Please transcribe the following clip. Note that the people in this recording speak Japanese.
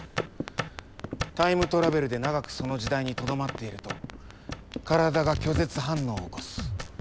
タイムトラベルで長くその時代にとどまっていると体が拒絶反応を起こす。